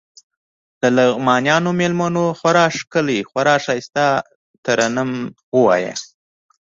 لغمانيو مېلمنو بلا ښکلی ترنم وکړ.